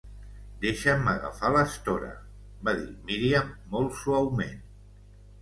"Deixa'm agafar l'estora, va dir Miriam molt suaument.